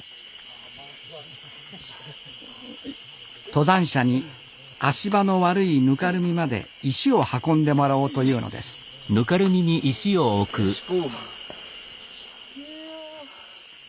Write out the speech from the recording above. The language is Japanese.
登山者に足場の悪いぬかるみまで石を運んでもらおうというのですよしゴー！